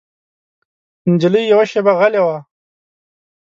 نجلۍ یوه شېبه غلی وه.